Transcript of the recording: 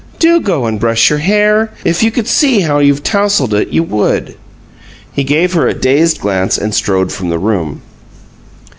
"Do go and brush your hair. If you could see how you've tousled it you would." He gave her a dazed glance and strode from the room.